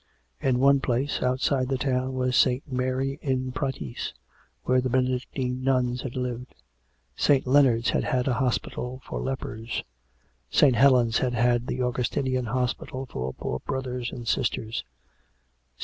In one place, outside the town, was St. Mary in Pratis, where the Benedictine nuns had lived; St. Leonard's had had a hospital for lepers; St. Helen's had had the Augustinian hospital for poor brothers and sisters; COME RACK!